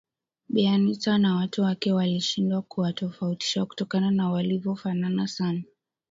Bi Anita na watu wake walishindwa kuwatofautisha kutokana na walivofanana sana